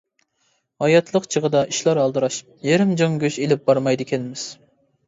ھاياتلىق چېغىدا ئىشلار ئالدىراش، يېرىم جىڭ گۆش ئېلىپ بارمايدىكەنمىز.